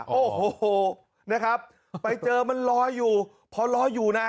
โอ้โหนะครับไปเจอมันลอยอยู่พอลอยอยู่นะ